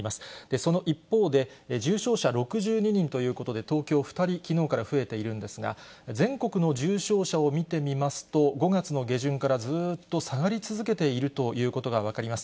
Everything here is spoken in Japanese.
その一方で、重症者６２人ということで、東京２人、きのうから増えているんですが、全国の重症者を見てみますと、５月の下旬から、ずっと下がり続けているということが分かります。